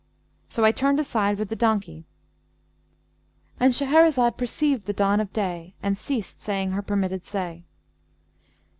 So I turned aside with the donkey'"—And Shahrazad perceived the dawn of day and ceased saying her permitted say.